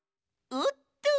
おっとー！